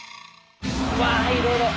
うわいろいろ。